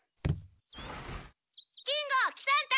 金吾喜三太！